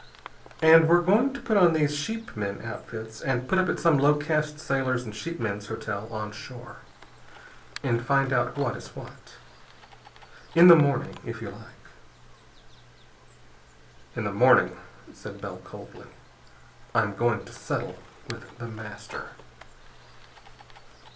And we're going to put on these sheepmen outfits, and put up at some low caste sailors' and sheepmen's hotel on shore, and find out what is what. In the morning, if you like " "In the morning," said Bell coldly, "I'm going to settle with The Master."